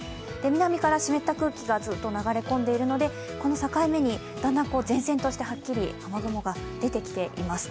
南から湿った空気がずっと流れ込んでいるので、この境目にだんだん前線として、はっきり雨雲が出てきています。